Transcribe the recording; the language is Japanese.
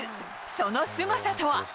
そのすごさとは。